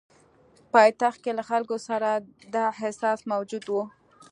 پایتخت کې له خلکو سره دا احساس موجود وو.